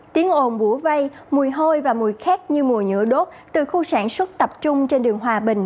tiếng ồn bủa vây mùi hôi và mùi khác như mùi nhựa đốt từ khu sản xuất tập trung trên đường hòa bình